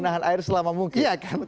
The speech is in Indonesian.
menahan air selama mungkin